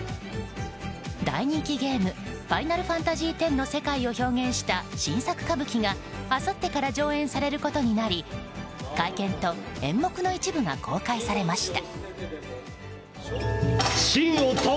大人気ゲーム「ファイナルファンタジーＸ」の世界を表現した新作歌舞伎があさってから上演されることになり会見と演目の一部が公開されました。